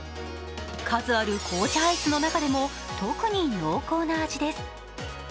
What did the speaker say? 数ある紅茶アイスの中でも特に濃厚な味です。